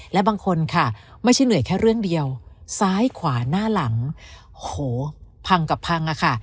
และบางคนค่ะไม่ใช่เหนื่อยแค่เรื่องเดียวซ้ายขวาหน้าหลังโหพังกับพังอะค่ะ